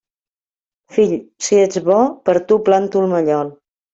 Fill, si ets bo, per a tu planto el mallol.